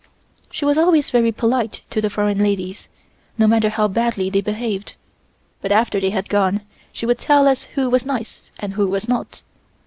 She was always very polite to the foreign ladies, no matter how badly they behaved, but after they had gone, she would tell us who was nice and who was not.